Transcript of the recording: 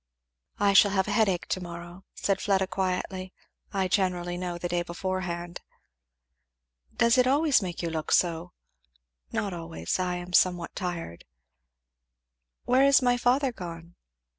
"I shall have a headache to morrow," said Fleda quietly. "I generally know the day beforehand." "Does it always make you look so?" "Not always I am somewhat tired." "Where is my father gone?"